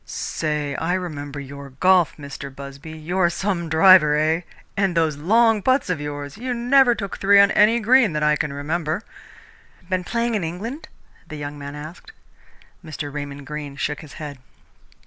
"Say, I remember your golf, Mr. Busby! You're some driver, eh? And those long putts of yours you never took three on any green that I can remember!" "Been playing in England?" the young man asked. Mr. Raymond Greene shook his head.